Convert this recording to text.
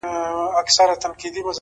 خندا د روح ارامي ده؛